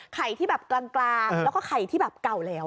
ที่แบบกลางแล้วก็ไข่ที่แบบเก่าแล้ว